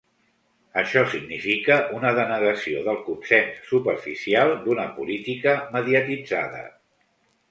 Això significa una denegació del consens superficial d'una política mediatitzada.